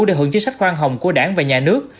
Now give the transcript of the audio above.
để hưởng chính sách khoan hồng của đảng và nhà nước